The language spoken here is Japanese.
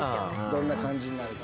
どんな感じになるか。